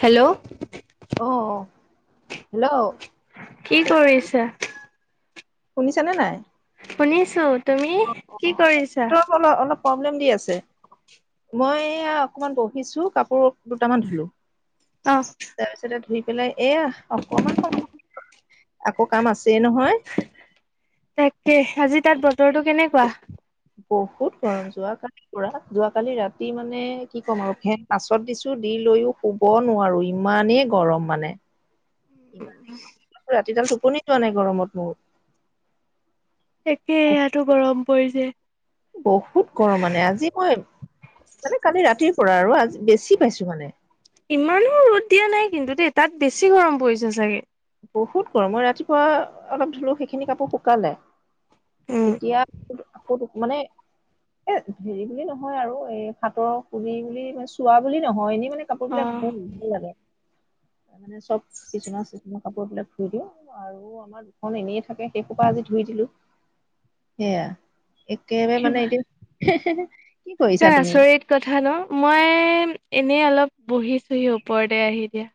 Hello'- অ hello'- কি কৰিছা? শুনিছানে নাই? শুনিছো তুমি অ কি কৰিছা? নেটৱৰ্ক অলপ অলপ প্ৰব্লেম দি আছে মই এয়া অকমান বহিছো কাপোৰ দুটামান ধুলোঁ। অ'। ধুই পেলাই এয়া অকমান সময়, আকৌ কাম আছে নহয়! তাকে, আজি তাত বতৰটো কেনেকুৱা? বহুত গৰম, যোৱা কালি পৰা যোৱা কালি ৰাতি মানে কি ক'ম আৰু ফেন পাঁচত দিছোঁ। দি লৈও শুব নোৱাৰো, ইমানেই গৰম মানে! ইমানেই ৰাতিডাল টোপনি যোৱা নাই গৰমত মোৰ। একে ইয়াতো গৰম পৰিছে। বহুত গৰম মানে, আজি মই, মানে কালি ৰাতি পৰা আৰু, আজি বেছি পাইছোঁ মানে। ইমানো ৰ'দ দিয়া নাই কিন্তু দেই, তাত বেছি গৰম পৰিছে ছাগে! বহুত গৰম মই ৰাতিপুৱা অলপ ধুলো, সেইখিনি কাপোৰ শুকালে। এতিয়া আকৌ তোক মানে এ হেৰি বুলি নহয় আৰু, এই হাতৰ পুলি বুলি মানে চোৱা বুলি নহয়। এনে মানে- অ কাপোৰবিলাক ধুম, ভাল লাগে মানে চব বিছনা- কাপোৰবিলাক ধুই দিওঁ। আৰু আমাৰ দুখন এনেই থাকে সেইসোপা আজি ধুই দিলো। সেয়া। একেবাৰে মানে কিবা এতিয়া কি কৰিছা তুমি আচৰিত কথা ন? মই এনেই অলপ বহিছোহি ওপৰতে আহি এতিয়া।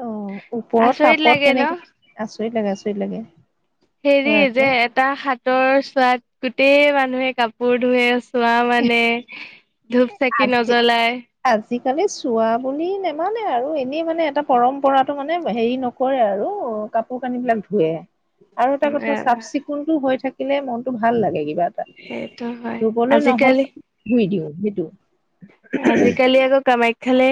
অ' ওপৰত তাপত ন কেনেকে, আচৰিত লাগে আচৰিত লাগে। হেৰি হয় আকৌ যে এটা সাতৰ চোৱাত গোটেই মানুহে কাপোৰ ধুৱে, চোৱা মানে, ধূপ চাকি আজি নজ্বলাই। আজিকালি চোৱা বুলি নেমানে আৰু, এনেই মানে এটা পৰম্পৰা মানে হেৰি নকৰে আৰু! কাপোৰ-কানিবিলাক ধুৱে, আৰু এটা উম কথা এ চাফ-চিকুণটো হৈ থাকিলে মনটো ভাল লাগে কিন্তু। কিবা এটা। সেইটো হয় ধুবলৈ আজিকালি নহ'লে ধুই দিওঁ সেইটো। আজিকালি আকৌ কামাখ্যালে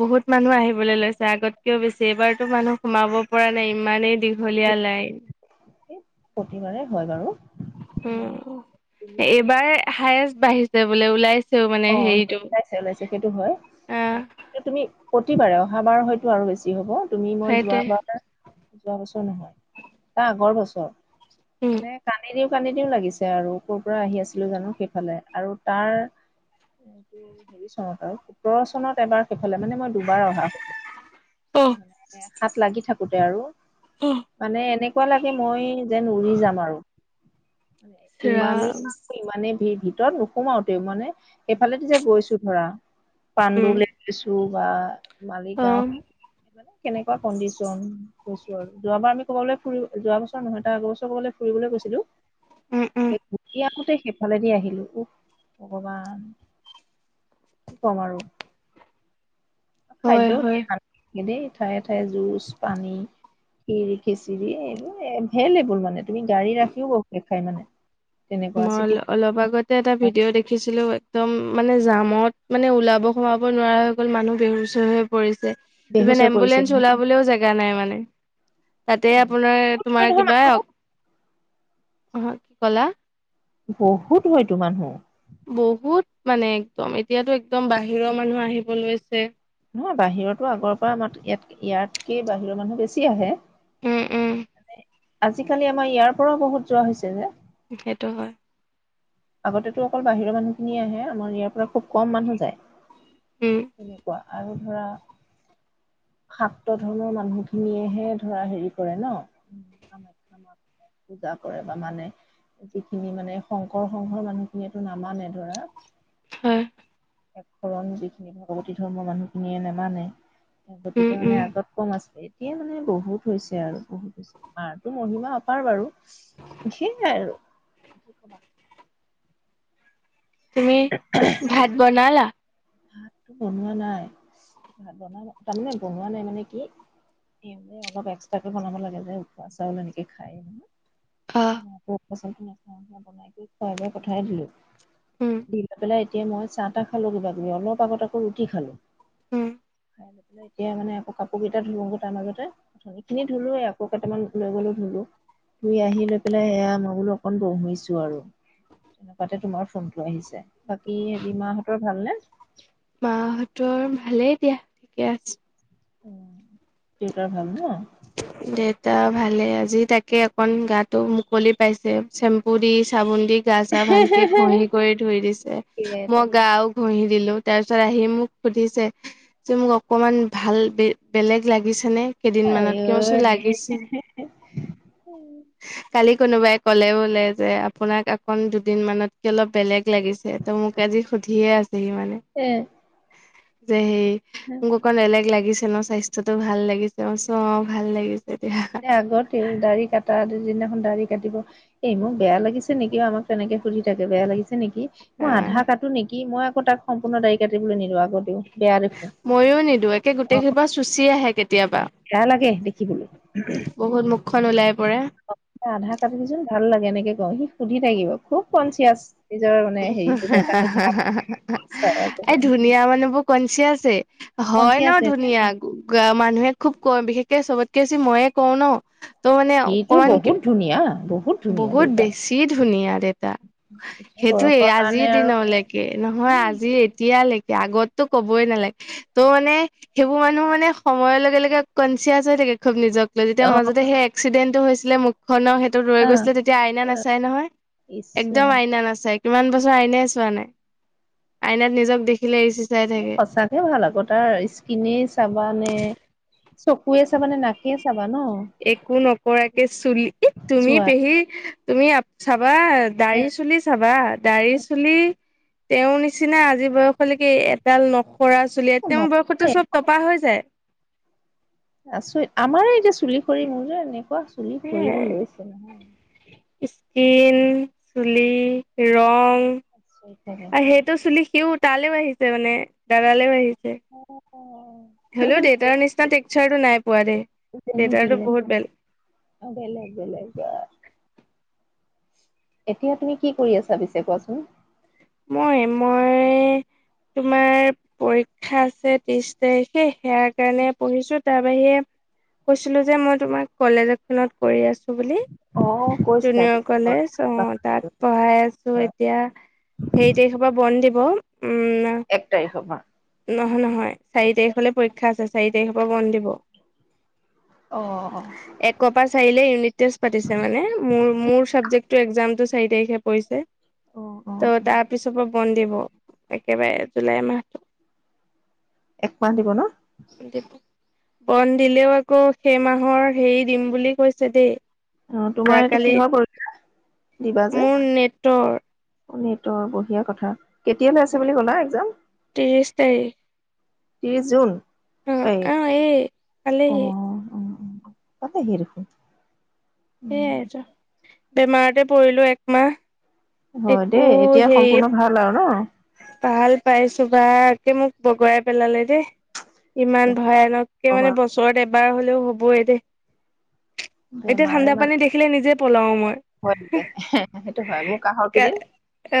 বহুত মানুহ আহিবলৈ লৈছে, আগতকেও বেছি। এইবাৰতো মানুহ সোমাব পৰা নাই ইমানেই দীঘলীয়া লাইন। প্ৰতিবাৰে হয় বাৰু। উ তুমি এইবাৰ হায়েষ্ট বাঢ়িছে বোলে ওলাইছে। অ' ন ওলাইছে ওলাইছে। সেইটো হয়। আহ তুমি প্ৰতিবাৰে, অহাবাৰ হয়তো আৰু বেছি হ'ব। তুমি মই সেইটোৱে যোৱাবাৰ যোৱা বছৰ নহয়, তাৰ আগৰ বছৰ উম মানে কানেদি কান্দি দিও লাগিছে আৰু। ক'ৰ পৰা আহি আছিলো জানো সেইফালে। আৰু তাৰ এইটো হেৰি চনত আৰু। সোতৰ চনত এবাৰ ফালে মানে মই দুবাৰ অহা, অ হ'লে হাত লাগি থাকোতে আৰু। অ মানে এনেকুৱা লাগে, মই যেন উৰি যাম আৰু। ইচ ইমানেই ৰাম মানুহ আৰু ইমানেই ভীৰ, ভিতৰত নোসোমাওতে মানে এইফালেদি যে গৈছো ধৰা, উম পাণ্ডুলে গৈছো বা অ মালিগাঁও। কেনেকুৱা কণ্ডিশ্যন, গৈছো আৰু। যোৱাবাৰ আমি ক'বলৈ ফু যোৱা বছৰ নহয়, তাৰ আগৰ বছৰ ক'বালৈ ফুৰিবলৈ গৈছিলোঁ। উম উম ঘূৰি আহোঁতে সেইফালেদি আহিলো। উ ভগৱান কি ক'ম আৰু। হয় খাদ্যও হয় দিয়ে ভালকে দেই ঠায়ে ঠায়ে, জুচ, পানী। ক্ষীৰ, খিচিৰি এইবোৰ এভেইলেবল মানে। তুমি গাড়ী ৰাখিও বহুতে খাই মানে! তেনেকুৱা মই চিটি অলপ আগতে এটা ভিডিঅ' দেখিছিলো। একদম মানে জামত মানে, ওলাব-সোমাব নোৱাৰা হৈ গ'ল। মানুহ বেহুচ হৈ হৈ পৰিছে। বেহুচ ইমান হৈ পৰিছে এম্বুলেন্ঞ্চ ওলাবলৈও জেগা নাই মানে। তাতে আপোনাৰ, বহুত তোমাৰ হয় নহয় কিবা মানুহ অ' কি ক'লা? বহুত হয়তো মানুহ। বহুত মানে একদম, এতিয়াতো একদম বাহিৰৰ মানুহ আহিব লৈছে। নহয় বাহিৰতো আগৰ পৰা আম ইয়াত ইয়াতকে বাহিৰৰ মানুহ বেছি আহে। উম, উম। আজিকালি আমাৰ ইয়াৰ পৰাও বহুত যোৱা হৈছে যে। সেইটো হয়। আগতেটো অকল বাহিৰৰ মানুহখিনিয়ে আহে। আমাৰ ইয়াৰ পৰা খুব কম মানুহ যায়। উম তেনেকুৱা আৰু ধৰা [inaudible] শাক্ত ধৰ্মৰ মানুহ খিনিয়েহে ধৰা হেৰি কৰে ন কামাখ্যা মাক পূজা কৰে বা মানে। যিখিনি মানে শং শকৰ সংঘৰ মানুহখিনিয়েতো নামানে ধৰা। হয় এক শৰণ যিখিনি ভাগৱতী ধৰ্মৰ মানুহখিনিয়ে নামানে। উম গতিকে উম মানে আগত কম আছে। এতিয়ে মানে বহুত হৈছে আৰু বহুত হৈছে, মাৰতো মহিমা অপাৰ বাৰু। জি আৰু কি কবা। তুমি ভাত বনালা? ভাতটো বনোৱা নাই। ভাত বন তাৰমানে বনোৱা নাই মানে কি সেবোৰ অলপ এক্সট্ৰাকে বনাব লাগে যে। উখুৱা চাউল এনেকে খায় অ ন প পচল খিনি খ বনাই কৰি খোৱা বাই পঠাই দিলো। উম দিলা পেলাই এতিয়া মই চাহ তাহ খালো, কিবা কিবি অলপ আগত আকৌ ৰুটি খালো। উম। খাই লৈ পেলাই এতিয়া মানে আকৌ কাপোৰ কেইটা ধো তাৰ মাজতে। অথনি খিনি ধুলো আকৈ কেইটামান [unintelligible] ধুলো। ধুই আহি লৈ পেলাই সেয়া মই বোলো অকণ বহিছো আৰু। তেনেকুৱাতে তোমাৰ ফোনটো আহিছে। বাকী হেৰি মাহঁতৰ ভালনে? মাহঁতৰ ভালেই দিয়া, ঠিকে আছে। উ দেউতাৰ ভাল ন? [inaudible] দেউতা ভালে। আজি তাকে অকন গাটো মুকলি পাইছে। চেম্পু দি, চাবোন দি গা চা ভালকে ঘঁহি কৰি ধুই দিছে। তাকে মই তাকে গাওক ঘঁহি দিলোঁ। তাৰপিছত আহি মোক সুধিছে যে মোক অকণমান ভাল বে বেলেগ লাগিছেনে? আই কেইদিনমানত ঐ। কিয় চোন লাগিছে। কা কোনোবাই ক'লে বোলে যে আপোনাক অকন দুদিনমানতকে অলপ বেলেগ লাগিছে। ত' মোক আজি সুধিয়ে আছেহি মানে। এ যে সি মোক অকণ বেলেগ লাগিছে স্বাস্থ্যটো ভাল লাগিছে? মই কৈছোঁ অ ভাল লাগিছে। দিয়া এ আগতেও দাড়ি কটা দি যোনদিনাখন দাড়ি কাটিব এই মোক বেয়া লাগিছে নেকি আক তেনেকে সুধি থাকে। বেয়া লাগিছে নেকি? মই আহ আধা কাটো নিদি মই আকৌ তাক সম্পূৰ্ণ দাড়ী কাটিবলৈ নিদো আগ দিও। ময়ো নিদো। একে গোটেই খোপা চুচি আহে কেতিয়াবা। বেয়া লাগে দেখিবলৈ বহুত মুখখন ওলাই পৰে। আধা কাটি দিচোন ভাল লাগে এনেকে কয়, সি সুধি থাকিব। খুব কনচিয়াচ নিজৰ মানে হেৰিটো দেখাটো এই ধুনীয়া মানে বোক কনচিয়াছে, হয় ন কনচিয়াছে ধুনীয়া। মানুহে খুব ক বিশেষকে চবতকে বেছি ময়ে কওঁ ন। ত' মানে সিটো অকমান কে বহুত ধুনীয়া বহুত ধুনীয়া বহুত দেউতা বেছি ধুনীয়া দেউতা। এতিয়া সেইটোয়েই বয়সৰ আজিৰ কাৰণে আৰু দিনলৈকে, নহয় উম আজি এতিয়া দিয়া লৈকে। আগতটো ক'বই নালাগে। ত' মানে সেইবোৰ মানুহ মানে সময়ৰ লগে লগে কন্সি য়াছ হৈ থাকে খুব নিজক লৈ। যেতিয়া অ মাজতে সেই এক্সিডেণ্টটো হৈছিলে মুখনৰ সে ৰৈ গৈছিলে তেতিয়া আইনা নাচাই নহয়। ইচ এক্দম ৰাম আইনা নাচায়। কিমান বছৰ আইনাই চোৱা নাই। আইনাত নিজক দেখিলে ইছ সঁচাকে ভাল আকৌ তাৰ স্কিনে চাবা নে? চকুৱে চাবা নে? নাকে চাব একো নকৰাকে চুলি তুমি চোৱা পেহী তুমি চাবা দাড়ি চুলি চাবা, দাড়ি চুলি তেওঁৰ নিচিনা আজি বয়সলৈকে এডাল ন প'ৰা চুলিয়ে। তেওঁৰ বয়সতো নোৱাৰে চব টপা হৈ যায়। আচৰিত, আমাৰে এতিয়া চুলি সৰি মোৰ যে এনেকুৱা চুলি সৰিব সেয়াই লৈছে নহয়। স্কিন, চুলি, ৰং আচৰিত লাগে আৰু সেইটো চুলি সিও তালৈও আহিছে মানে দাদালেও আহি [unintelligible] হলেও দেউতাৰ নিচিনা টেক্চাৰটো নাই পোৱা দেই। দেউতাৰো বহুত বেলেগ। অ বেলেগ বেলেগ। এতিয়া তুমি কি কৰি আছা পিছে কোৱাচোন? মই, মই তোমাৰ পৰীক্ষা আছে ত্ৰিশ তাৰিখে। সেয়াৰ কাৰণে পঢ়িছো তাৰ বাহিৰে কৈছিলো যে মই তোমাক কলেজ এখনত কৰি আছো। বুলি অ কৈছিলা জুনিয়ৰ কলেজ, অ তাত পঢ়াই আছো হয় এতিয়া। [unintelligible] বন দিব। উম এক তাৰিখৰ পৰা। উম নহয়। চাৰি তাৰিখলে পৰীক্ষা আছে, চাৰি তাৰিখৰ পৰা বন্ধ দিব। অ অ। একৰ পা চাৰী লে ইউনিট টেষ্ট পতিছে মানে, মোৰ চাবজেক্টটো এক্সামটো চাৰি তাৰিখে পৰিছে। অ অ ত চবৰ বন্ধ দিব। একেবাৰে জুলাই মাহটো। একমাহ দিব ন? দিব বন্ধ দিলেও আকৌ সেই মাহৰ হেৰি দিম বুলি কৈছে দেই। অ তোমাৰ এইটো যোৱাকালি কিহৰ পৰীক্ষা? দিবা যে মোৰ নেটৰ। নেটৰ বঢ়িয়া কথা। কেতিয়ালৈ আছে বুলি কলা এক্জাম? ত্ৰিশ তাৰিখ ত্ৰিছ জুন? অ এই আহ এ পালেহি। পালেহিয়েই দেখোন। উম সেইয়েটো, বেমাৰতে পৰিলো একমাহ। হয় একো দেই এতিয়া হেই সম্পূৰ্ণ ভাল আৰু ন ভাল পাইছোঁ বা মোক বগৰাই পেলালে দেই, ইমান ভয়ানককে মানে কবা বছৰত এবা বাৰ হলেও হ'ব এ দে। এতিয়া বেমাৰে ঠাণ্ডা মানে পানী দেখিলে নিজে পলাও মই। ভয় লাগে, সেইটো হয়। মোৰ কাহৰ কেইদিন অ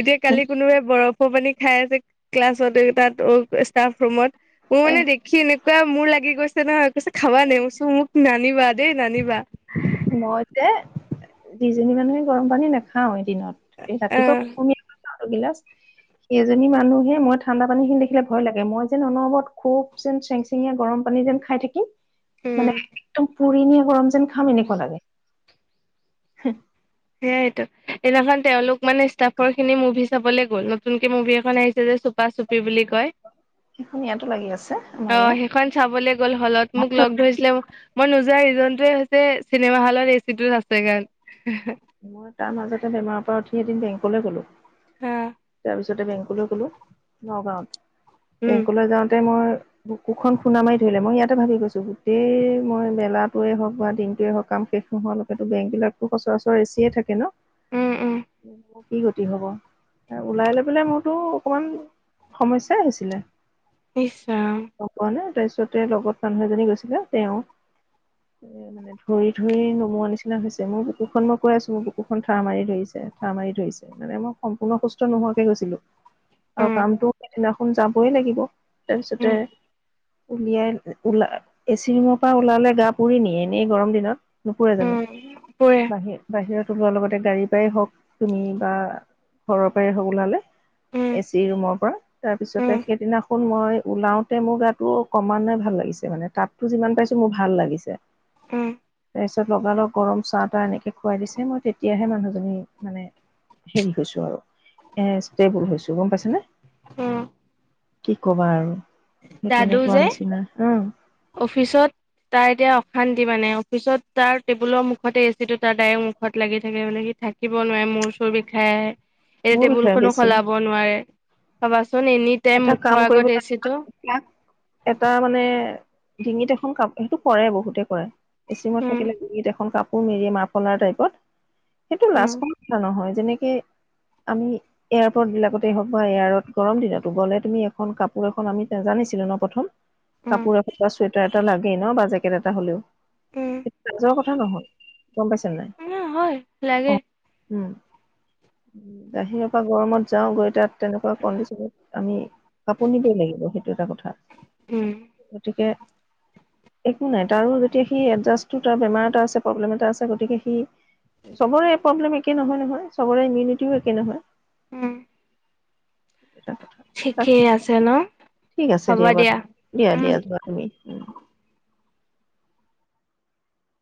এতিয়া কালি কোনোবাই বৰফ স পানী খাই আছে ক্লাছত তাত অ ষ্টাফ ৰুমত। মোৰ এ মানে দেখি এনেকুৱা মোৰ লাগি গৈছে নহয়। কৈছে খাবা নি? মচো মোক কি না নানিবা দেই নানিবা। মইযে দুজনী মানুহে গৰম পানী নাখাওয়ে। দিনত, এই ৰাতিপুৱা আহ কুহুমীয়াকৈ খাও এগিলাচ। সেইজনী মানুহে মই ঠাণ্ডা পানী খিনি দেখিলে ভয় লাগে, মই যেন অনবৰত খুব যেন চেং চেঙিয়া গৰম পানী যেন খাই থাকিম, মানে উম। একদম পুৰি নিয়া গৰম যেন খাম এনেকুৱা লাগে। হু। সেইয়াইটো। এদিনাখন তেওঁলোক মানে ষ্টাফৰ খিনি মুভি চাবলে গল, নতুনকে মুভি এখন আহিছে যে চুপা চুপি বুলি কয়। সেইখন ইয়াতো লাগি আছে আমাৰ অ সেইখন চাবলে গ'ল হলত, মোক ইয়াত লগ ধৰিছিলে মই নোযোৱা ৰিজনটোৱে হৈছে চিনেমা হলত এচিটো আছে কাৰণে। মই তাৰ মাজতে বেমাৰৰ পৰা উঠি এদিন বেংকলৈ গলো। অ। ত পিছতে বেংকলৈ গ'লো নগাঁৱত। উম। বেংকলৈ যাওঁতে মই বুকুখন খুন্দা মাৰি ধৰিলে, মই ইয়াতে ভাবি গৈছো গোটেই মই বেলাটোৱে হওক বা দিনটোৱে হওক কাম, শেষ নোহোৱালৈকে বেংক বিলাকো সচৰাচৰ এচিয়ে থাকে ন? উম উম কি গতি হ'ব, ওলাই লৈ পাই মোৰতো অকণমান সমস্যাই হৈছিলে। ইছ ৰাম। গম পোৱা নে তাৰপিছতে লগত মানুহ এজনী গৈছিলা, তেওঁ এ মানে ধৰি ধৰি নমোৱা নিচিনা হৈছে মোৰ বুকুখন মই, কৈ আছো মোৰ বুকুখন ঠাৰ মাৰি ধৰিছে, ঠাৰ মাৰি ধৰিছে, মানে মই সম্পূৰ্ণ সুস্থ নোহোৱাকে গৈছিলো। আৰু উম কামটো সেইদিনাখন যাবই লাগিব। তাৰপিছতে উম উলিয়াই ওলা এচি ৰুমৰ পৰা ওলালে গা পুৰি নিয়ে, এনেই গৰম দিনত। নুপুৰে জানো উম পুৰে বাহিৰ? বাহিৰত ওলোৱাৰ লগতে গাড়ীৰ পৰাই হওক, তুমি বা ঘৰৰ পৰাই হওক ওলালে, উম এ চি ৰুমৰ পৰা। তাৰ উম, পিছতে সেইদিনাখন মই ওলাওতে মোৰ গাতটো কমানে ভাল লাগিছে মানে তাতো যিমান পাইছো মোৰ ভাল লাগিছে। উম। তাৰ পিছত লগালগ গৰম চাহ তাহ এনেকে খুৱাই দিছে মই তেতিয়াহে মানুহজনী মানে হেৰি হৈছো আৰু এ ষ্টেবুল হৈছো গম পাইছানে উম, কি কবা আৰু সেই দাদু তেনেকুৱা যে নিচিনা হ। অফিচত তাৰ এতিয়া অশান্তি মানে অফিচত তাৰ টেবুলৰ মুখতে এচি টো তাৰ ডাইৰেক্ট মুখত লাগি থাকে বোলে সি থাকিব নোৱাৰে মূৰ চুৰ বিষাই আহে এতিয়া মোৰ টেবুল বিষয়ে খনো বেছি সলাব নোৱাৰে। এনি টাইম এটা কাম মুখৰ কৰিব আগত এচিটো লাগিব এটা মানে ডিঙিত এখন কাপ সেইটো কৰে বহুতে কৰে এচিমত উম, থাকিলে ডিঙিত এখন কাপ পোৰ মেৰি মাৰফলাৰ টাইপত সেইটো উম, লাষ্ট কৰিবলগীয়া নহয় যেনেকে কে আমি এয়াৰপৰ্ট বিলাকতে হওক বা এয়াৰ গৰম দিনত। গ'লে তুমি এখন কাপোৰ এখন আমি জানিছিলো ন প্ৰথম। উম, কাপোৰ হক বা চুৱেটাৰ এটা লাগেই ন বা জেকেট এটা হলেও উম, সেইটো লাজৰ কথা নহয় গম পাইছে নাই উম, হয় অ লাগে উম বাহিৰৰ পৰা গৰমত যাও গৈ তাত তেনেকুৱা কণ্ডিচনত আমি কাপোৰ নিবই লাগিব সেইটো এটা কথা উম, গতিকে একো নাই তাৰো যেতিয়া সি এডজাষ্ট তাৰ বেমাৰ এটা আছে প্ৰব্লেম এটা আছে। গতিকে সি চবৰে প্ৰব্লেম একে নহয় নহয় চবৰে ইমিউনিটিও একে নহয়। উম এটা কথা তাক ঠিকেই আছে ন ঠিক আছে দিয়া বাৰু দিয়া উম, দিয়া যোৱা তুমি উম